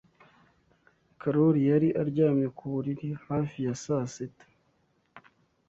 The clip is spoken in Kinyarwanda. Karoli yari aryamye ku buriri hafi ya saa sita.